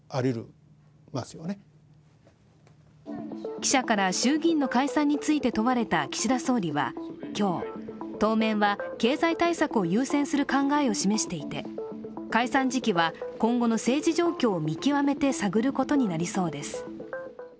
記者から衆議院の解散について問われた岸田総理は今日、当面は経済対策を優先する考えを示していて解散時期は今後の政治状況を見極めて探ることになりそうです。